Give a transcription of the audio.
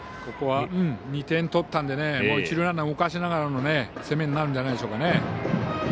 ここは２点取ったので一塁ランナーを動かしながらの攻めになるんじゃないでしょうか。